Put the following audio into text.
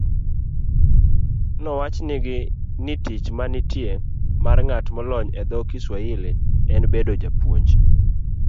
Nowachnigi ni tich manitie mar ng'at molony e dho Kiswahili en bedo japuonj